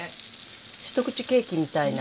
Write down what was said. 一口ケーキみたいな。